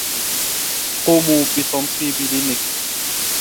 قوموا بتنصيب لينكس!